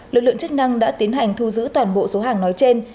lực lượng chức năng đã tiến hành thu giữ toàn bộ số hàng nói trên